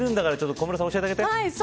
小室さん、教えてあげて。